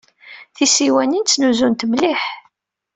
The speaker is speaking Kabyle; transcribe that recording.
Tisiwanin ttnuzunt mliḥ.